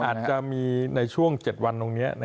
อาจจะมีในช่วง๗วันตรงนี้